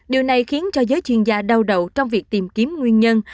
điều này khiến cho giới chuyên gia đau đầu trong việc tìm kiếm nguyên nhân